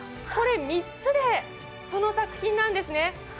この３つでその作品なんですね